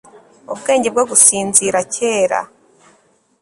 ubwenge bwo gusinzira kera